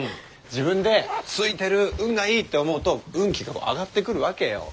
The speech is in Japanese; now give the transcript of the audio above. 自分でついてる運がいい！って思うと運気が上がってくるわけよ。